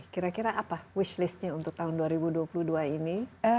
kira kira apa wish listnya untuk tahun dua ribu dua puluh dua ini